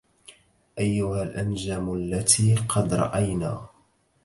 أيها الأنجم التي قد رأينا